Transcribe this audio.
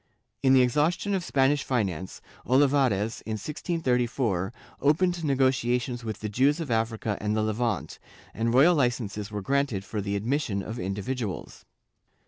In the exhaustion of Spanish finance, Olivares, in 1634, opened negotiations with the Jews of Africa and the Levant, and royal licences were granted for the admission of individuals.